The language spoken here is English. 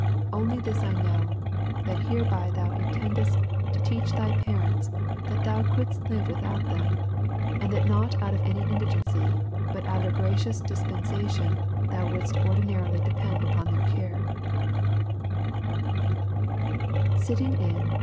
Only this I know, that hereby thou intendest to teach thy parents that thou couldst live without them, and that not out of any indigency, but out of a gracious dispensation, thou wouldst or dinarily depend upon their care/* [Sitimg in.